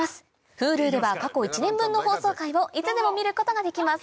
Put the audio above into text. Ｈｕｌｕでは過去１年分の放送回をいつでも見ることができます